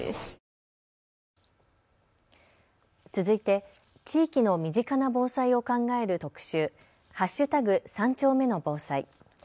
続いて地域の身近な防災を考える特集、＃３丁目の防災。